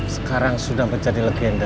sekarang sudah menjadi legenda